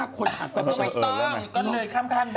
๔๕คนอ่านประชาชน